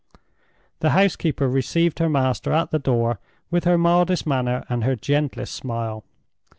The housekeeper received her master at the door with her mildest manner and her gentlest smile.